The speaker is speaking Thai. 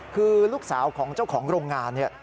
คือลูกสาวของเจ้าของโรงงานเนี่ย